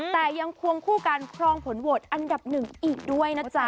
แต่ยังควงคู่กันครองผลโหวตอันดับหนึ่งอีกด้วยนะจ๊ะ